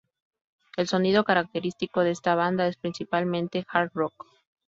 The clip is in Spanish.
El sonido característico de esta banda es principalmente hard rock.